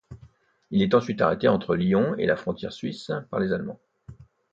Il est ensuite arrêté entre Lyon et la frontière suisse par les Allemands.